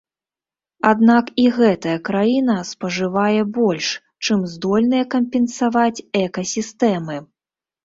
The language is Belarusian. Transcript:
Аднак і гэтая краіна спажывае больш, чым здольныя кампенсаваць экасістэмы.